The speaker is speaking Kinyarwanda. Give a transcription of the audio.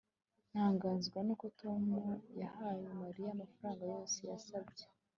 ntangazwa nuko tom yahaye mariya amafaranga yose yasabye